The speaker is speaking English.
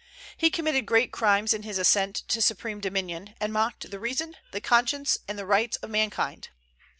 He committed great crimes in his ascent to supreme dominion, and mocked the reason, the conscience, and the rights of mankind.